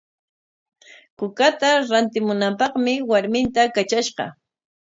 Kukata rantimunapaqmi warminta katrashqa.